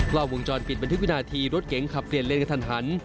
กล้องวงจรปิดบันทึกวินาทีรถเก๋งขับเปลี่ยนเลนกระทันหัน